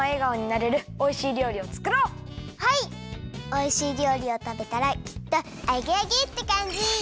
おいしいりょうりをたべたらきっとアゲアゲってかんじ！